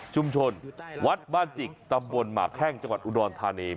วัดบ้านจิกตำบลหมากแข้งจังหวัดอุดรธานี